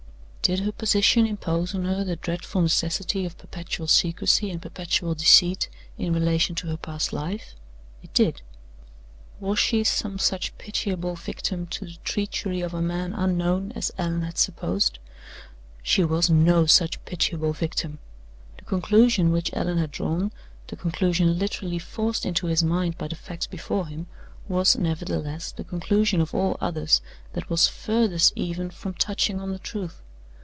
Did her position impose on her the dreadful necessity of perpetual secrecy and perpetual deceit in relation to her past life? It did. Was she some such pitiable victim to the treachery of a man unknown as Allan had supposed? She was no such pitiable victim. The conclusion which Allan had drawn the conclusion literally forced into his mind by the facts before him was, nevertheless, the conclusion of all others that was furthest even from touching on the truth.